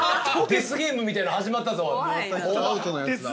◆デスゲームみたいなの、始まったぞ。